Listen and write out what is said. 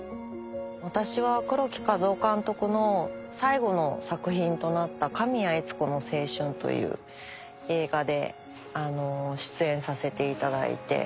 私は黒木和雄監督の最後の作品となった。という映画で出演させていただいて。